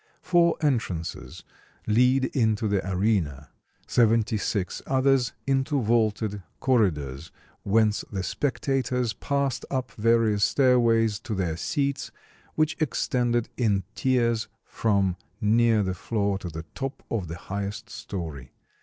Four entrances lead into the arena; seventy six others into vaulted corridors, whence the spectators passed up various stairways to their seats, which extended in tiers from near the floor to the top of the highest story.